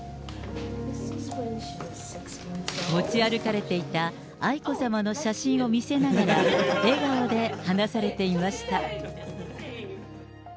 持ち歩かれていた愛子さまの写真を見せながら、笑顔で話されていました。